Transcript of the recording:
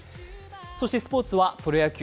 そしてスポーツはプロ野球。